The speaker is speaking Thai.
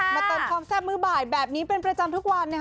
มาตรงคล้องแซ่บมือบ่ายแบบนี้เป็นประจำทุกวัน